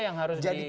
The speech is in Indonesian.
hal hal seperti ini